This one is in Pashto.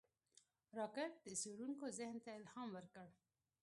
راکټ د څېړونکو ذهن ته الهام ورکړ